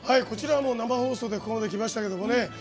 こちら、生放送でここまできましたけどね。